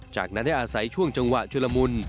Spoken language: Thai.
จากนั้นในอาศัยช่วงจังหวะชื่อละมุน